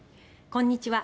こんにちは。